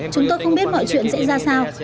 chúng tôi không biết mọi chuyện sẽ ra sao